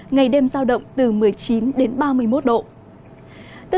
ngày đêm giao động từ một mươi chín đến ba mươi một độ